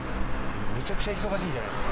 めちゃくちゃ忙しいじゃないですか。